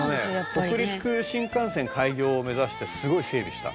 「あのね北陸新幹線開業を目指してすごい整備した」